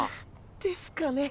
ですかね。